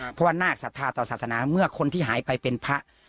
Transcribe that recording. เพราะว่านาคศรัทธาต่อศาสนาเมื่อคนที่หายไปเป็นพระ